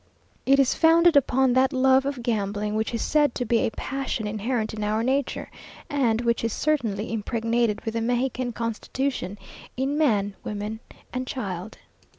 It is founded upon that love of gambling, which is said to be a passion inherent in our nature, and which is certainly impregnated with the Mexican constitution, in man, woman, and child.